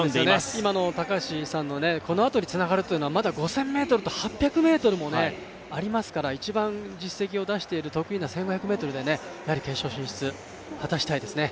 今の高橋さんの、このあとにつながるというのは５０００ｍと８００ｍもありますから一番実績を出している得意な１５００ｍで決勝進出、果たしたいですね。